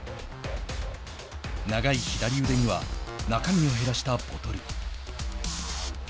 長い左腕には中身を減らしたボトル。